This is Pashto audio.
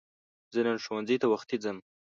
زه نن ښوونځی ته وختی ځم